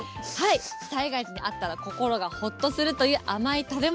災害時にあったら心がほっとするという甘い食べ物。